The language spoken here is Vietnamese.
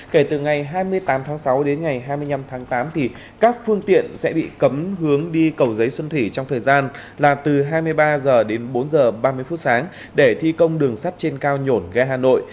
kể từ ngày hai mươi tám tháng sáu đến ngày hai mươi năm tháng tám các phương tiện sẽ bị cấm hướng đi cầu giấy xuân thủy trong thời gian là từ hai mươi ba h đến bốn h ba mươi phút sáng để thi công đường sắt trên cao nhổn ga hà nội